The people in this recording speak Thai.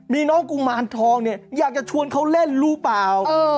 มีน้องกุมารทองเนี่ยอยากจะชวนเขาเล่นรู้เปล่า